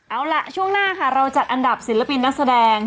เอาล่ะช่วงหน้าค่ะเราจัดอันดับศิลปินนักแสดง